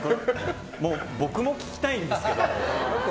僕も聞きたいんですけど。